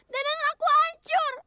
dan aku ancur